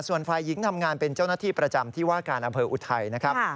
ส่วนฝ่ายหญิงทำงานเป็นเจ้าหน้าที่ประจำที่ว่าการอำเภออุทัยนะครับ